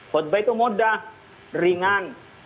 khutbah itu mudah ringan